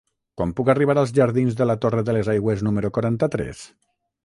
Com puc arribar als jardins de la Torre de les Aigües número quaranta-tres?